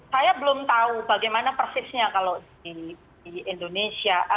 saya belum tahu bagaimana persisnya kalau di indonesia